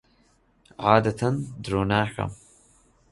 عادەتەن درۆ ناکەم.